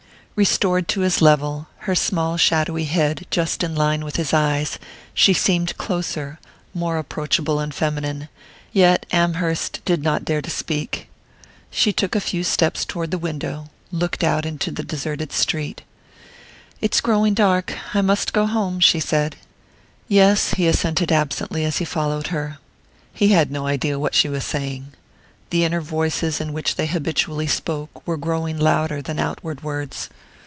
Restored to his level, her small shadowy head just in a line with his eyes, she seemed closer, more approachable and feminine yet Amherst did not dare to speak. She took a few steps toward the window, looking out into the deserted street. "It's growing dark I must go home," she said. "Yes," he assented absently as he followed her. He had no idea what she was saying. The inner voices in which they habitually spoke were growing louder than outward words.